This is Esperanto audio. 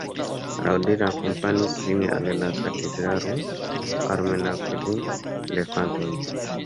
Laŭdire akompanis lin al la katedralo ĉiam almenaŭ kvin elefantoj.